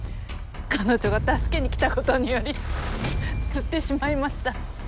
彼女が助けに来たことにより吸ってしまいました。